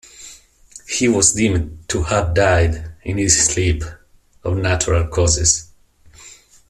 He was deemed to have died in his sleep of natural causes.